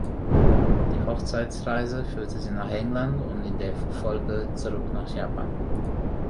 Die Hochzeitsreise führte sie nach England und in der Folge zurück nach Japan.